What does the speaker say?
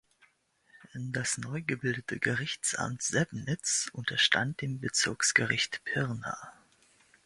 Das neu gebildete Gerichtsamt Sebnitz unterstand dem Bezirksgericht Pirna.